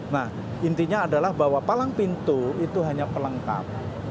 nah intinya adalah bahwa palang pintu itu hanya pelengkap